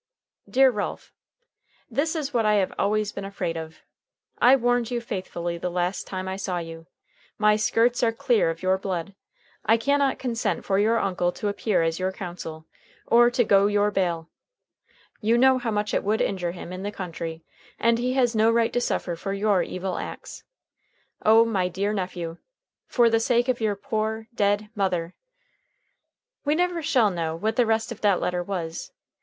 "Dear Ralph: "This is what I have always been afraid of. I warned you faithfully the last time I saw you. My skirts are clear of your blood, I can not consent for your uncle to appear as your counsel or to go your bail. You know how much it would injure him in the county, and he has no right to suffer for your evil acts. O my dear nephew! for the sake of your poor, dead mother " We never shall know what the rest of that letter was.